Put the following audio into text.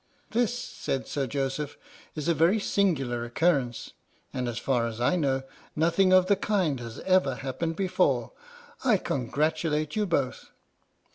"This," said Sir Joseph, "is a very singular occurrence, and, as far as I know, nothing of the kind has ever happened before. I congratulate you both."